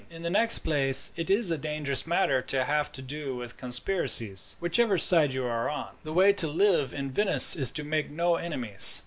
In the next place, it is a dangerous matter to have to do with conspiracies, whichever side you are on. The way to live long in Venice is to make no enemies."